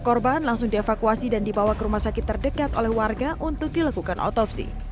korban langsung dievakuasi dan dibawa ke rumah sakit terdekat oleh warga untuk dilakukan otopsi